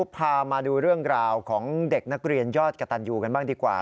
พามาดูเรื่องราวของเด็กนักเรียนยอดกระตันยูกันบ้างดีกว่า